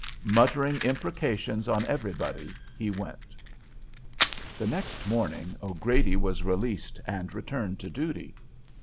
Muttering imprecations on everybody, he went. The next morning, O'Grady was released and returned to duty.